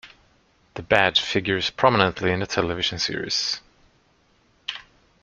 The badge figures prominently in the television series "".